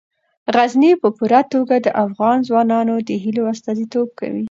غزني په پوره توګه د افغان ځوانانو د هیلو استازیتوب کوي.